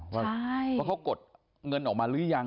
ว่าเขากดเงินออกมาหรือยัง